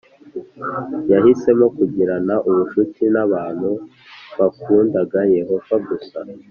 Yahisemo kugirana ubucuti n’abantu bakundaga Yehova gusa